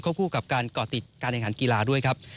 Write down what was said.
คู่กับการก่อติดการแข่งขันกีฬาด้วยครับ